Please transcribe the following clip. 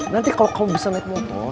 nanti kalau kamu bisa naik motor